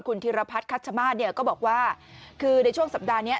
คุณธิรพัฒน์คัชมาศเนี่ยก็บอกว่าคือในช่วงสัปดาห์นี้